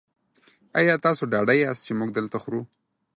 ایا تاسو ډاډه یاست چې موږ دلته خورو؟